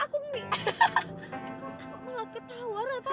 aku malah ketawa reva